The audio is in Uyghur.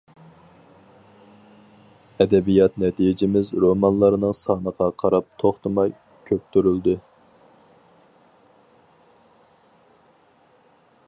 ئەدەبىيات نەتىجىمىز رومانلارنىڭ سانىغا قاراپ توختىماي كۆپتۈرۈلدى.